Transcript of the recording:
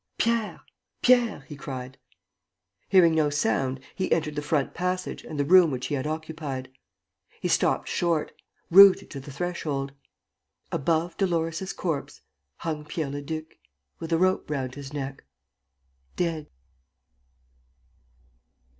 "Pierre! Pierre!" he cried. Hearing no sound, he entered the front passage and the room which he had occupied. He stopped short, rooted to the threshold. Above Dolores' corpse, hung Pierre Leduc, with a rope round his neck, dead.